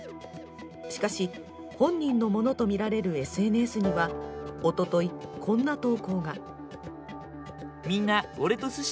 しかし、本人のものとみられるＳＮＳにはおととい、こんな投稿が。